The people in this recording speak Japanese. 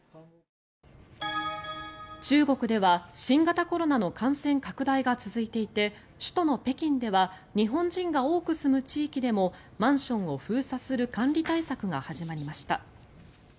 中国では、新型コロナの感染拡大が続いていて首都の北京では日本人が多く住む地域でもマンションを封鎖する管理対策が始まりました。